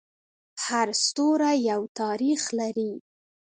هر ستوری یو تاریخ لري.